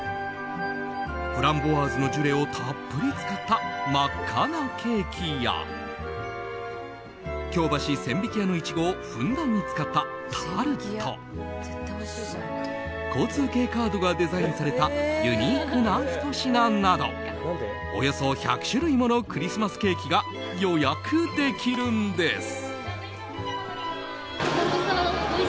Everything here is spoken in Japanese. フランボワーズのジュレをたっぷり使った真っ赤なケーキや京橋千疋屋のイチゴをふんだんに使ったタルト交通系カードがデザインされたユニークなひと品などおよそ１００種類ものクリスマスケーキが予約できるんです。